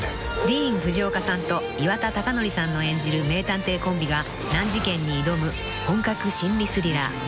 ［ディーン・フジオカさんと岩田剛典さんの演じる名探偵コンビが難事件に挑む本格心理スリラー］